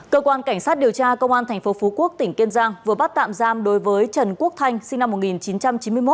cơ quan cảnh sát điều tra công an tp phú quốc tỉnh kiên giang vừa bắt tạm giam đối với trần quốc thanh sinh năm một nghìn chín trăm chín mươi một